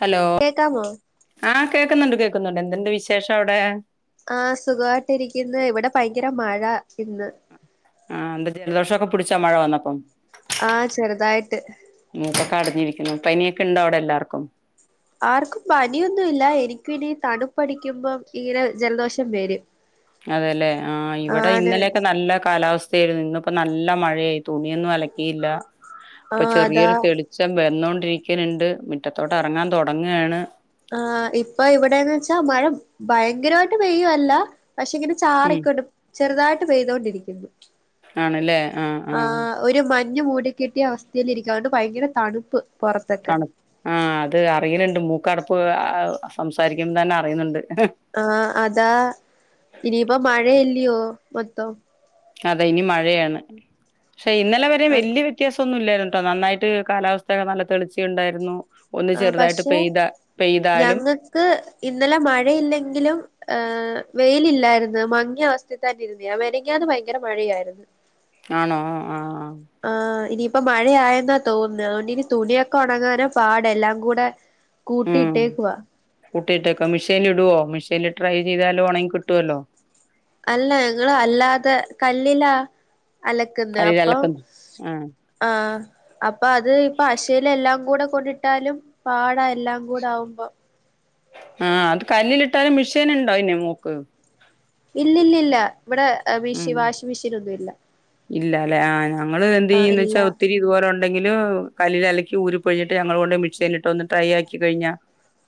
Hello കേക്കാമോ ആഹ് കേക്കുന്നുണ്ട് കേൾക്കുന്നുണ്ട് എന്തുണ്ട് വിശേഷം അവിടെ ആഹ് സുഖമായിട്ടിരിക്കുന്ന ഇവിടെ ഭയങ്കര മഴ ഇന്ന് ആഹ് എന്താ ജലദോഷം ഒക്കെ പിടിച്ചാ മഴ വന്നപ്പം ആഹ് ചെറുതായിട്ട് മൂക്കൊക്കെ അടഞ്ഞിരിക്കുന്നു പനിയൊക്കെ ഉണ്ടോ അവിടെ എല്ലാവർക്കും ആർക്കും പനിയൊന്നുല്ല എനിക്ക ഇനി തണുപ്പടിക്കുമ്പം ഇങ്ങനെ ജലദോഷം വരും അതെല്ലെ ആഹ് ഇവിടെ ആണ് ഇന്നലെയൊക്കെ നല്ല കാലാവസ്ഥ ഇന്നിപ്പോ നല്ല മഴയായി തുണിയൊന്നും അലക്കിയില്ല ഇപ്പൊ ആഹ് അതാ ചെറിയൊരു തെളി വെളിച്ചം വന്നുകൊണ്ടിരിക്കുന്ന മിറ്റത്തെക്ക് ഇറങ്ങാൻ തുടങ്ങുകയാണ് ആഹ് ഇപ്പൊ ഇവിടെന്ന് വെച്ചാ മഴ ഭയങ്കരമായിട്ട് പെയ്യല്ല പക്ഷെ ഇങ്ങനെ ഉം ചാറിക്കൊണ്ട് ചെറുതായിട്ട് പെയ്തൊണ്ടിരിക്കുന്നു ആണല്ലേ ആഹ് ആഹ് ഒരു മഞ്ഞ് മൂടി കെട്ടിയ അവസ്ഥയിലിരിക്കാണ്ട് ഭയങ്കര തണുപ്പ് പുറത്തൊക്കെ തണു ആ അത് അറിയുന്നുണ്ട് മൂക്കടപ്പ് സംസാരിക്കുമ്പ തന്നെ അറിയുന്നുണ്ട് ആഹ് അതാ ഇനീപ മഴെ ഇല്ലയോ മൊത്തം അതെ ഇനി മഴയാണ് പക്ഷെ ഇന്നലെ വരെ വലിയ വ്യത്യാസംന്നും ഇല്ലായിരട്ടോ നന്നായിട്ട് കാലാവസ്ഥയൊക്കെ നല്ല തെളിച്ചുണ്ടായിരുന്നു ഒന്ന് ആഹ് ചെറുതായിട്ട് പെയ്താ പെയ്താലും ക്ക് ഇന്നലെ മഴയില്ലെങ്കിലും ഹ വെയിലില്ലായിരുന്നു മങ്ങിയ അവസ്ഥയി തന്ന ഇരുന്ന മിനങ്ങാതെ ഭയങ്കര മഴയായിരുന്നു [inaudible] ആണോ ആഹ് ആഹ് ആഹ് ഇനിയിപ്പ മഴയായെന്നാ തോന്നുന്നത് അതുകൊണ്ട് ഇനി തുണിയൊക്കെ ഉണങ്ങാനോ പാട് അടെ എല്ലാം കൂടെ കൂട്ടിയിട്ടേക്കവാ കൂട്ടിട്ടേക്ക മിഷനിൽ ഇടുവോ മിഷീനിൽട്രൈ ചെയ്താലോ ഉണെങ്കി കിട്ടുവല്ലോ അല്ല ഞങ്ങ അല്ലാതെ കല്ലില്ല അലക്കുന്ന അപ്പം കല്ലിലലക്കുന്ന ആഹ് ആഹ് അപ്പൊ അത് ഇപ്പൊ ആശൽ എല്ലാം കൂടെ കൊണ്ടിട്ടാലും പാടാ എല്ലാം കൂടെ ആകുമ്പോ ആഹ് അത് കല്ലിൽ ഇട്ടാലും മിഷീൻ ഉണ്ടോ അയ്ന് മോക്ക് ഇല്ലില്ല ല്ലഇവിടെ ഉം ഇല്ലല്ലെ ആഹ് ഞങ്ങള് എന്ത് ആഹ് ചെയ്യന്ന് വച്ചാ ഇല്ല ഒത്തിരി ഇതുപോലെ ഉണ്ടെങ്കില് കല്ലലയിലലക്കി ഊരി പിഴിഞ്ഞിട്ട് ഞങ്ങ കൊണ്ട് മിക്ഷ ൽ ഇട്ട് ഒന്ന് ടൈ ആക്കി കഴിഞ്ഞ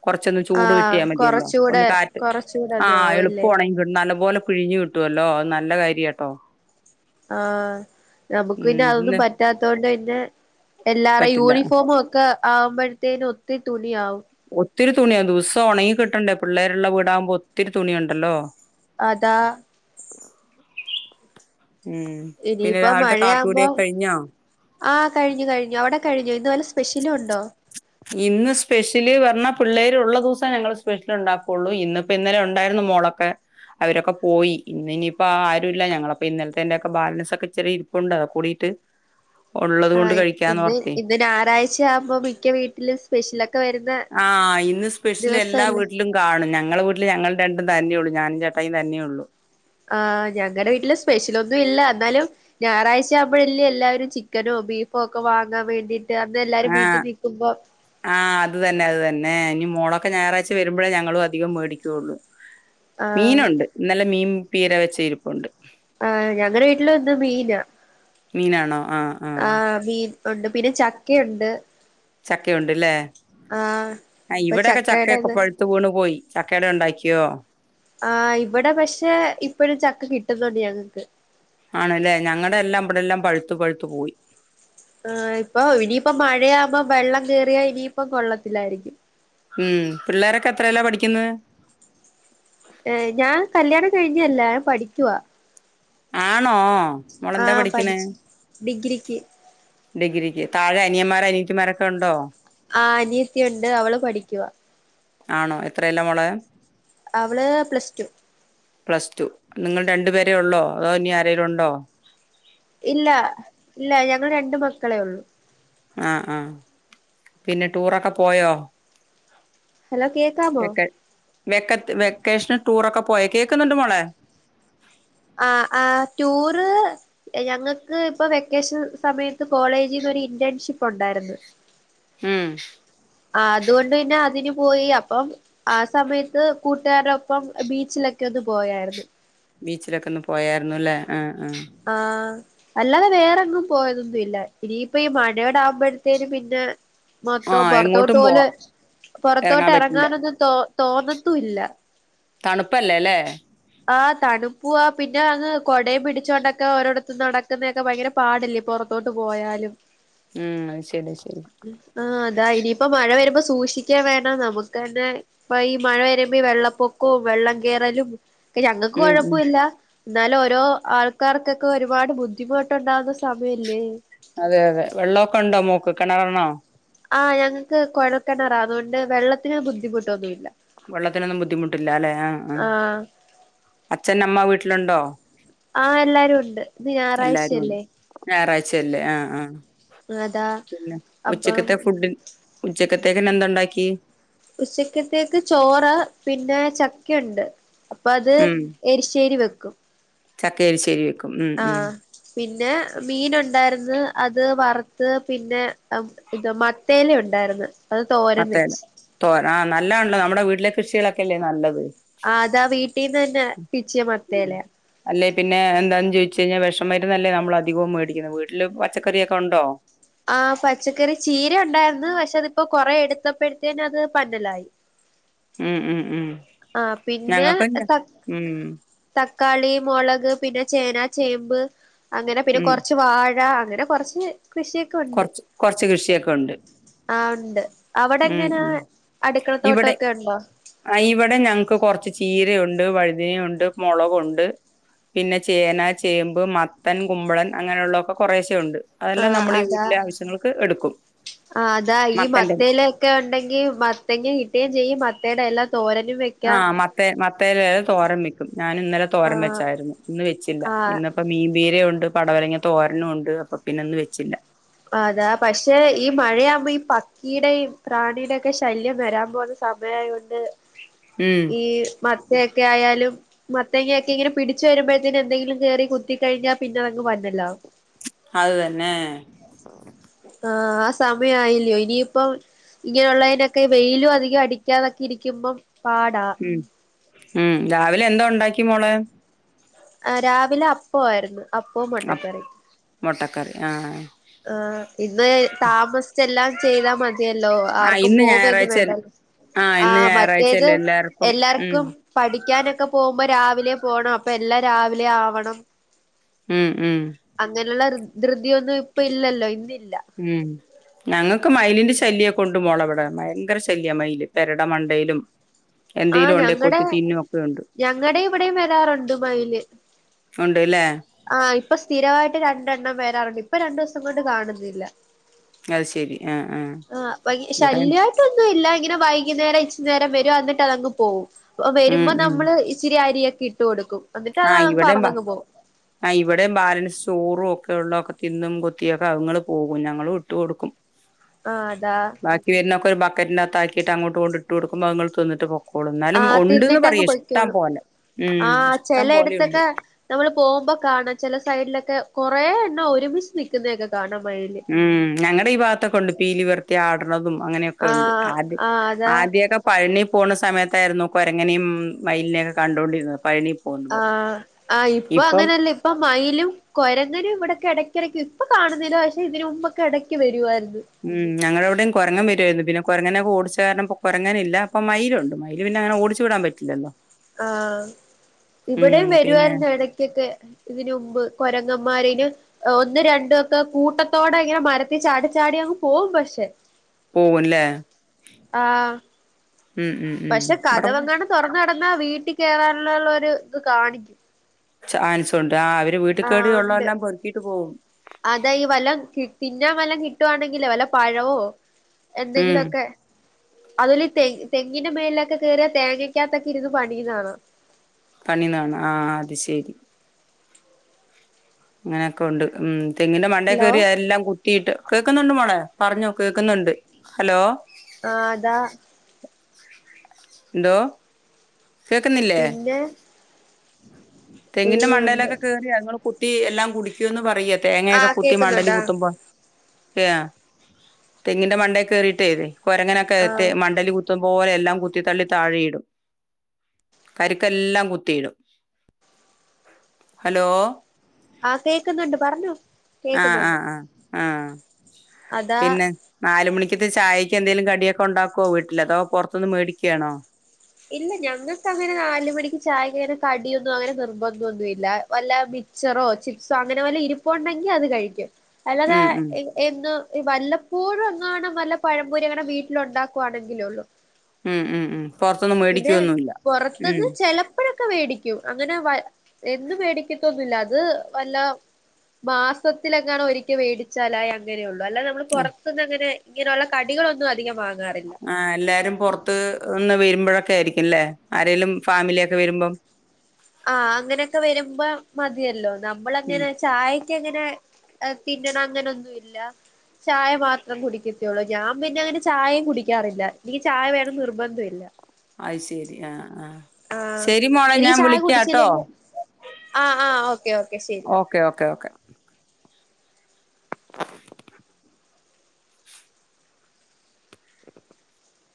കുറച്ചൊന്ന് ചൂട് ആഹ് കിട്ടിയാൽ മതിയല്ലോ ഒന്ന് കൊറച്ചൂടെ കാറ്റ് ആഹ് കൊറച്ചൂടെന്നാവുല്ലേ എളുപ്പ ഉണങ്ങി കിട്ടും നല്ലപോലെ പിഴിഞ്ഞ് കിട്ടും കിട്ടുവല്ലോ നല്ല കാര്യ കേട്ടോ ആഹ് നമുക്ക് പിന്നെ അതൊന്നും ഇന്ന് പറ്റാത്ത കൊണ്ട് പിന്നെ എല്ലാര പറ്റില്ല യൂണിഫോമും ഒക്കെ ആവുമ്പോഴത്തേും ഒത്തിരി തുണി ആവും ഒത്തിരി തുണിയാണ് ദിവസം ഉണങ്ങി കിട്ടണ്ടേ പിള്ളേരുള്ള വീടാകുമ്പോ ഒത്തിരി തുണിയുണ്ടല്ലോ അതാ ഉം പിന്നെ ഇനിയിപ്പോ രാവിലത്തെ കാപ്പി കൂടി മഴയാവുമ്പോ ഒകെ കഴിഞ്ഞോ ആഹ് കഴിഞ്ഞു കഴിഞ്ഞു അവിടെ കഴിഞ്ഞോ ഇന്ന് വല്ല സ്പെഷ്യലും ഉണ്ടോ [inaudible] ഇന്ന് സ്പെഷ്യല് പറഞ്ഞാൽ പിള്ളേര് ഉള്ള ദിവസം ഞങ്ങൾ സ്പെഷ്യല് ഉണ്ടാക്കുള്ളൂ ഇന്ന ഇപ്പ ഇന്നലെ ഉണ്ടായിരുന്നു മോളൊക്കെ അവരൊക്കെ പോയി ഇന്ന് ഇനിയിപ്പോ ആരു ഇല്ല ഞങ്ങളപ്പോ ഇന്നലത്തെ ന്റെ ഒകെ ബാലൻസ് ഒക്കെ ഇച്ചിരി ഇരി പ്പുണ്ട് അത് കൂടിയിട്ട് ഉള്ളത് കൊണ്ട് ആഹ് കഴിക്കാന്ന് ഇന്ന് ഓർതെ ഇന്ന് ഞായറാഴ്ച ച്ച ആവുമ്പോ മിക്ക വീട്ടില് സ്പെഷ്യൽ ഒക്കെ വരുന്ന ആഹ് ഇന്ന് സ്പെഷ്യൽ എല്ലാ ദിവസല്ലേ വീട്ടിലും കാണും ഞങ്ങളെ വീട്ടില് ഞങ്ങള രണ്ടും തന്നെയ ഉള്ളൂ ഞാനും ചേട്ടായി തന്നെ ഉള്ളൂ ആഹ് ഞങ്ങളുടെ വീട്ടില് സ്പെഷ്യൽ ഒന്നും ഇല്ല എന്നാലും ഞായറാഴ്ച ആവുമ്പഴല്ലേ എല്ലാവരും ചിക്കനോ ബീഫോ ഒക്കെ വാങ്ങാൻ വേണ്ടിട്ട് അന്ന് അല്ലാരും വീട്ടിൽ ആഹ് നിക്കുമ്പോ. ആഹ് അത് തന്നെ അത് തന്നെ ഇനി മോളൊക്കെ ഞായറാഴ്ച വരുമ്പോളേ ഞങ്ങളും അധികം മേടിക്കുള്ളു. ആഹ് മീനുണ്ട് ഇന്നല്ലെ മീൻ പീര വെച്ച ഇരിപ്പുണ്ട്. ആഹ് ഞങ്ങളടെ വീട്ടിലും ഇന്ന് മീന. മീനാണോ ആഹ്. ആഹ് മീൻ ഉണ്ട് പിന്നെ ചക്കയുണ്ട്. ചക്കയുണ്ട്ല്ലേ. ആഹ് ആഹ് ഇപ്പൊ ഇവിടെയൊക്കെ ചക്കെയൊക്കെ ചക്കയുടെത് പ. ഴുത്ത് വീണു പോയി. ചക്കേട ഉണ്ടാക്കിയോ? ആഹ് ഇവിടെ പക്ഷെ ഇപ്പഴും ചക്ക കിട്ടുന്നുണ്ട് ഞങ്ങൾക്ക്. ആണല്ലേ ഞങ്ങടെ എല്ലാം ഇവിടെല്ലാം പഴുത്ത് പഴുത്തു പോയി. ആഹ് ഇപ്പൊ ഇനിയിപ്പൊ മഴയാവുമ്പോ വെള്ളം കേറിയാ ഇനിയിപ്പം കൊള്ളത്തില്ലായിരിക്കും. ഉംഹ് പിള്ളേരൊക്കെ എത്രാല പഠിക്കുന്നത്? ഏഹ് ഞാൻ കല്യാണം കഴിഞ്ഞല്ല. ഞാൻ പഠിക്കുവ. ആണോ? മോളെന്താ ആഹ് പഠിക്ക്ണേ? പഠിച്ചു ഡിഗ്രിക്ക് ഡിഗ്രിക്ക്. താഴെ അനിയന്മാര് അനിയത്തിമാരൊക്കെ ഉണ്ടോ? ആ അനിയത്തി ഉണ്ട് അവൾ പഠിക്കുവാ. ആണോ എത്രേലാ മോളേ? അവൾ പ്ലസ് ടു. Plus two. നിങ്ങൾ രണ്ടു പേരേ ഉള്ളോ? അതോ ഇനി ആരേലും ഉണ്ടോ? ഇല്ല ഇല്ല ഞങ്ങൾ രണ്ട് മക്കളെ ഉള്ളു. ആഹ് ആഹ്. പിന്നെ ടൂറൊക്കെ പോയോ? ഹലോ കേക്കാമോ? വെക്കത്ത് വെക്കേഷന് ടൂറൊക്കെ പോയോ കേക്കുന്നുണ്ട് മോളെ. ആഹ് ആഹ് ടൂറ്. ഞങ്ങൾക്ക് ഇപ്പൊ വെക്കേഷൻ സമയത്ത് കോളേജിൽ ന്നൊരു ഇന്റേൺഷിപ്പ് ഉണ്ടായിര്ന്ന്. ഉംഹ്. ആഹ് അതുകൊണ്ട് പിന്നെ അതിന് പോയി അപ്പം. ആ സമയത്ത് കൂട്ടുകാരൊപ്പം ബീച്ചിലൊക്കെ ഒന്ന് പോയായിര്ന്നു. ബീച്ചിലൊക്കെ ഒന്ന് പോയായിരുന്നുല്ലേ ആഹ് ആഹ്. ആഹ്. അല്ലാതെ വേറെങ്ങും പോയതൊന്നുംല്ല. ഇനിയിപ്പ ഈ മഴോടെ ആകുമ്പോഴത്തേനും പിന്നെ. മൊത്തം ആഹ് പൊറത്തോട്ട് എങ്ങോട്ടും പോവാ പോല് പൊറത്തോട്ട് എറങ്ങാൻ പറ്റില്ല എറങ്ങാനൊന്നും തോ തോന്നത്തും ഇല്ല. തണുപ്പല്ലേ ല്ലേ. ആഹ് തണുപ്പൂവാ പിന്നെ അങ്ങ് കൊടയും പിടിച്ചോണ്ടൊക്കെ ഓരോട്ത്ത് നടക്കുന്നേക്ക ഭയങ്കര. പാടല്ലേ പൊറത്തോട്ട് പോയാലും. ഉം അയ്ശരി അയ്ശരി. ആഹ് അതാ ഇനിയിപ്പോ മഴ വരുമ്പോ സൂക്ഷിക്കേം വേണം നമുക്കന്നെ. പ്പൊ ഈ മഴ വരുമ്പോ വെള്ളപ്പൊക്കവും വെള്ളം കേറലും ഞങ്ങൾക്ക് ഉം ഉം കൊഴപ്പുല്ല. ന്നാലും ഓരോ ആൾക്കാർക്കൊക്കെ ഒരുപാട് ബുദ്ധിമുട്ടുണ്ടാവുന്ന സമയല്ലേ. അതെ അതെ വെള്ളാക്കൊ ഉണ്ടോ മോക്ക് കെണറണോ? ആഹ് ഞങ്ങക്ക് കുഴൽക്കെണറാ അതുകൊണ്ട് വെള്ളത്തിന് ബുദ്ധിമുട്ടൊന്നുല്ല. വെള്ളത്തിനൊന്നും ബുദ്ധിമുട്ടില്ല അല്ലെ. ആഹ് ആഹ് അച്ഛൻ അമ്മ വീട്ടിലുണ്ടോ? ആഹ് എല്ലാരും ഉണ്ട്. ഇന്ന് ഞാഴറാഴ്ചയല്ലേ. ഞാഴറാഴ്ചയല്ലേ ആഹ് ആഹ്. അതാ. പിന്നെ അപ്പം ഉച്ചക്കത്തെ ഫുഡ് ഉച്ചക്കത്തേക്ക്ന്ന് ന്ത് ഉണ്ടാക്കി. ഉച്ചക്കത്തേക്ക് ചോറ് പിന്നെ ചക്കെയുണ്ട് അപ്പൊ അത്. എരിശ്ശേരി വെക്കും. ചക്ക എരിശ്ശേരി വെക്കും. ഉം ഉം ആഹ് പിന്നെ മീൻണ്ടായിര്ന്ന് അത് വറുത്ത് പിന്നെ. ഇത് മത്തേല ഉണ്ടായിരുന്നു അത് തോരൻ വെച്ച് തോ ആഹ് നല്ലാണല്ലോ നമ്മുടെ വീട്ടിലെ കൃഷികളൊക്കെല്ലേ നല്ലത് ആഹ് അതാ വീട്ടീന്ന് തന്നെ തിച്ചിയ ഉം മത്തേല്ലേ അല്ലെ പിന്നെ എന്താന്ന് ചോദിച്ചു കഴിഞ്ഞാൽ വിഷം മരുന്ന അല്ലേ നമ്മള അധികവും മേടിക്കുന്നത് വീട്ടില് പച്ചക്കറിയൊക്കെ ഉണ്ടോ ആഹ് പച്ചക്കറി ചീര ഉണ്ടായിന്ന് പക്ഷെ അതിപ്പോ കൊറെ എടുത്തപ്പോഴത്തേന്നെ അത് പന്നലായി ഉം ഉം ഉം ആഹ് പിന്നെ ഞങ്ങൾക്കും ഞ ഉം തക്കാളി മുളക് പിന്നെ ചേന ചേമ്പ് അങ്ങനെ പിന്നെ ഉം കുറച്ച് വാഴ അങ്ങനെ കുറച്ച് കൃഷി കൊറച്ച് കൊറച്ച് കൃഷിയൊക്കെ ഉണ്ട് ആഹ് ഉണ്ട് അവിടെ ഉം എങ്ങനെ അടുക്കളത്തോട്ടംക്കെ ഉണ്ടോ ആഹ് ഇവിടെ ഞങ്ങക്ക് കുറച്ച് ചീരയുണ്ട് വഴുതനുണ്ട് മുളകുണ്ട് പിന്നെ ചേന ചേമ്പ് മത്തൻ കുമ്പളൻ അങ്ങനെയുള്ളതൊക്കെ കുറേശ ഉണ്ട് അതെല്ലാം നമ്മൾ ഈ വീ അതാ ആഹ് അതാ ഈ മത്തന്റെ മത്തേ ഒക്കെ ഉണ്ടെങ്കിൽ മത്തങ്ങി കിട്ടുകയും ചെയ്യും മത്തയുടെ എല്ലാ തോരനും വെക്കാം ആഹ് മത്ത മത്തേൽ തോരം വക്കും ഞാൻ ഇന്നലെ ആ തോരം വെച്ചായിരുന്നു ഇന്ന് വെച്ചില്ല ആ ഇന്ന് അപ്പൊ മീൻപീര ഉണ്ട് പടവലങ്ങിയ തോരനും ഉണ്ട് അപ്പൊ പിന്നെ ഇന്ന് വെച്ചില്ല അതാ പക്ഷെ ഈ മഴയാുമ്പോ ഈ പക്കിയുടെയും പ്രാണിയുടെൊക്കെ ശല്യം വരാൻ പോന്ന് സമയമായൊണ്ട് ഉം ഈ മത്തയൊക്കെ ആയാലും മത്തേങ്ങൊക്കെ ഇങ്ങനെ പിടിച്ചച്ച് വരുമ്പോഴത്തേന് എന്തെങ്കിലും കേയറി കുത്തി കഴിഞ്ഞാൽ പിന്നെ അങ് പന്നലാവും അത് തന്നെ ആഹ് ആഹ് സമയയില്ലോ ഇനിയിപ്പം ഇങ്ങനെയുള്ളതിനൊക്കെ വെയിലു അധികം അടിക്കാന്നൊക്കെ ഇരിക്കുമ്പം പാടാ ഉം ഉം രാവിലെ എന്താ ഉണ്ടാക്കി മോളെ ആഹ് രാവിലെ അപ്പോ ആയിരുന്നു അപ്പ മുട്ടക്കറി മൊട്ടക്കറി ആഹ് ആഹ് ഇന്ന് താമസിച്ചെല്ലാം ചെയ്താ മതിയല്ലോ ആഹ് ആർക്കും ഇന്ന് പോവന്ന് ഞായറാഴ്ച വേണ്ടല്ലോ ഇന്ന് ആഹ് മറ്റേത് ഞായറാഴ്ചയല്ലേ എല്ലാർക്കും ഉം എല്ലാർക്കും പഠിക്കാനൊക്കെ പോകുമ്പോ രാവിലെ പോണം അപ്പൊ എല്ലാം രാവിലെയാവണം ഉം ഉം അങ്ങനെയുള്ള ധൃതിയൊന്നും ഇപ്പൊ ഇല്ലല്ലോ ഇന്നില്ല ഉം ഞങ്ങൾക്ക് മയിലിന്റെ ശല്യ കൊണ്ടു മോള ഇവിടെ ഭയങ്കര ശല്യ മയില് പെരട മണ്ടയിലും ആഹ് എന്തേലും ഉണ്ടേ ഞങ്ങടെ കൊത്തി തിന്നും ഒക്കെ ഉണ്ട് ഞങ്ങടെ ഇവിടെ വരാറുണ്ട് മയില് ഉണ്ട്ല്ലേ ആഹ് ഇപ്പൊ സ്ഥിരായിട്ട് രണ്ടെണ്ണം വരാറുണ്ട് ഇപ്പൊ രണ്ടിസം കൊണ്ട് കാണുന്നില്ല അത് ശെരി ആഹ് ആഹ് വ ഇവിടെ ശല്യ ഇപ്പൊന്നുല്ല ഇങ്ങനെ വൈകുന്നേരം ഇച്ച് നേരം വരും എന്നിട്ട് അതങ്ങ് പോകും ഉം വരുമ്പോ ഉം നമ്മള് ഇച്ചിരി അരിയൊക്കെ ഇട്ട് കൊടുക്കും എന്നിട്ട് ആഹ് അതങ്ങ് ഇവിടെമ്പാ പറന്നങ്ങ് പോകും ഐ ഇവിടെ ബാലൻസ് സോറു ഒക്കെ ഉള്ളക്കെ തിന്നും കൊത്തിയൊക്കെ ഞങ്ങള് പോകും ഞങ്ങൾ ഇട്ട് കൊടുക്കും ഉം ആഹ് അതാ ബാക്കി വരുന്നക്കെ ഒരു ബക്കറ്റിന്റെ അകതാക്കിട്ട് അങ്ങോട്ട് കൊണ്ട് ഇട്ട്കൊടുക്കുമ്പോ അത്ങ്ങള് തിന്നട്ട് പോവും കൊടുന്നാലും ആഹ് ഉണ്ട്ന്ന് പറയ് തിന്നിട്ടങ്ങ് ഇഷ്ടം പൊയ്ക്കോളും പോലെ ഉം ആഹ് പോലെയുണ്ട് ചെലയിടത്തൊക്കെ നമ്മള് പോകുമ്പോ കാണാ ചെല സൈഡിലൊക്കെ കൊറെ എണ്ണ ഒരുമിച്ച് നി ന്നതൊക്കെ കാണാ മയില് ഉം ഞങ്ങടെ ഈ ഭാഗത്തൊക്കെ ഉണ്ട് പീലി വിടർത്തി ആടുന്നതും അങ്ങനെയൊക്കെ ഉണ്ട് ആഹ് ആദ്യ ആഹ് അതാ ആദ്യക്കെ പഴനിി പോണ സമയത്തായിരുന്നു കൊരങ്ങനിം മയിലിനെ കണ്ടൊണ്ടിരുന്നത്. ആഹ് ആഹ് ഇപ്പൊ ഇപ്പം അങ്ങനല്ലേ ഇപ്പൊ മയിലും കൊരങ്ങനും ഇവിടെക്കെ ഇടയ്ക്കിടയ്ക്ക് ഇപ്പൊ കാണുന്നില്ല പക്ഷെ ഇതിന് മുമ്പൊക്കെ ഇടക്ക് വരുവായിരുന്നു. ഉം ഞങ്ങളോടി കൊരങ്ങൻ വരുവായിരുന്നു പിന്നെ കൊരങ്ങനെ ഓടിച്ച കാരണം കുരങ്ങൻ ഇല്ല ഇപ്പൊ മയിലുണ്ട് മയില് പിന്നെ അനെ ഓടിച്ചു ചൂടാൻ പറ്റില്ലല്ലോ ആഹ് ഉം. ഇവിടെ പിന്നെ വരുവാരുന്നു ഇടക്കൊക്കെ ഇതിനുമ്പ് കൊരങ്ങന്മാരന് ഒന്ന് രണ്ടു ഒക്കെ കൂട്ടത്തോടെ ഇങ്ങനെ മരത്തി ചാടി ചാടി അങ്ങ് പോകും പക്ഷെ. പോവു ല്ലേ ആഹ് ഉം, ഉം. പക്ഷെ ഇവിടെ കഥകങ്ങാണ് തൊറന്നു കടന്നാ വീട്ടിൽ കയറാനുള്ളള്ള ഒരു ഇത് കാണിക്കു ചാൻസുണ്ട് ആ അവര് വീട്ട് കേറി ഉള്ളത എല്ലാം പൊറുക്കിയിട്ട് പോകും അതാ ഈ വല്ലം കി തിന്നാൻ വല്ലം കിട്ടുവാണെങ്കിൽ വല്ല പഴവോ ഉം. എന്തെങ്കിലൊക്കെ അതില് തെ തെങ്ങിന്റെ മേലിലൊക്കെ കേറ്യ തേങ്ങയ്ക്കകത്തൊക്കെ ഇരുന്ന് പണിയ്ണാ ണാ. പണിയ്ന്നാണ ആ അത് ശരി അങ്ങനൊക്കെ ഉണ്ട് ഉം തെങ്ങിന്റെ മണ്ടേ ഹലോ കേറി എല്ലാം ത്തീട്ട് കേക്കുന്നുണ്ട് മോളെ പറഞ്ഞോ കേക്കുന്നുണ്ട് ഹലോ ആഹ് അതാ എന്തോ കേക്കുന്നില്ലേ പിന്നെ തെങ്ങിന്റെ ഉം ഉണ്ട് മണ്ടയിലൊക്കെ കേ ഞങ്ങള് കുത്തി എല്ലാം കുടിക്കുവന്ന് പറയാ തേങ്ങയൊക്കെ ആഹ് കുത്തി മണ്ടലി കേക്കുന്നുണ്ടാ കുത്തുമ്പോ ആ തെങ്ങിന്റെ മണ്ട കേറിട്ടേ കൊരങ്ങനൊക്കെ ആഹ് മണ്ടേൽ കു പോലെല്ലാം കു കുത്തിത്തള്ളി താഴെയിടും കരുക്കെല്ലാം കുത്തിയിടും ഹലോ ആഹ് കേക്കുന്നുണ്ട് പറഞ്ഞോ ആഹ് കേക്കുന്നുണ്ട് ആഹ് ആഹ് ആഹ് അതാ പിന്നെ നാല് മണിക്കത്ത ചായക്ക് എന്തേലും കടിയൊക്കെ ഉണ്ടാക്കുവോ വീട്ടില് അതോ പുറത്തൂന്ന് മേടിക്കാണോ ഇല്ല ഞങ്ങക്കങ്ങനെ നാല് മണിക്ക് ചായക്കനെ കടിയൊന്നും അങ്ങനെ നിർബന്ധൊന്നുല്ല വല്ല മി മിച്ചറോ ചിപ്സോ അങ്ങനെ വല്ല ഇരിപ്പൊണ്ടെങ്കി അത് കഴിക്കും അല്ലാതെ ഉം ഉം എന്ന് വല്ലപ്പോഴും എങ്ങാണം നല്ല പഴംപൊരി അങ്ങനെ വീട്ടിൽ ഉണ്ടാക്കുവാണെങ്കിലേ ഉള്ളു ഉം ഉം ഉം പുറത്തൊന്നും മേടിക്കുവൊന്നുല്ല ഉം പ്പഴൊക്കെ മേടിക്കും അങ്ങനെ വ എന്നും മേടിക്കത്തൊന്നുല്ല അത് വല്ല മാസത്തിലെങ്ങാണോ ഒരിക്കൽ മേടിച്ചാലയ് അങ്ങനെയുള്ളൂ അല്ലാതെ നമ്മള് പുറത്തുന്ന് അങ്ങനെ ഇങ്ങനെയുള്ള കടികളൊന്നും അധികം വാങ്ങാറില്ല ആ എല്ലാരും പുറത്ത് ഒന്ന് വരുമ്പോഴൊക്കെ ആയിരിക്കുല്ലേ ആരെലും ഫാമിലിയൊക്കെ വരുമ്പം ആഹ് അങ്ങനെയൊക്കെ വരുമ്പോ മതിയല്ലോ ഉം നമ്മളങ്ങനെ ചായ ക്കങ്ങനെ തിന്നണം അങ്ങനൊന്നുല്ല. ചായ മാത്രം കുടിക്കത്തേള്ളൂ ഞാൻ പിന്നെ അങ്ങനെ ചായയും കുടിക്കാറില്ല എനിക്ക് ചായ വേണം നിർബന്ധം ഇല്ല അയ് ശരി ആഹ് ആഹ് ആഹ് ശരി മോളെ എനിക്ക് ഞാൻ ചായ വിളിക്കാട്ടോ കുടിച്ചില്ലെങ്കിൽ ആഹ് ആഹ് ഓക്കെ ഓക്കെ ശരി ഓക്കേ ഓക്കേ ഓക്കേ